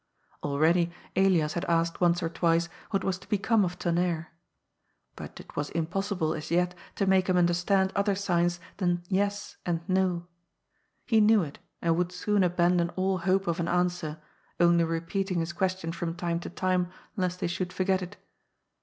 Already Elias had asked once or twice what was to become of Ton nerre. But it was impossible as yet to make him under stand other signs than ^ Yes " and ^^ No." He knew it, and would soon abandon all hope of an answer, only repeating his question from time to time lest they should forget it.